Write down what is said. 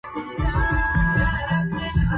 ليهنك حق رده الله منعما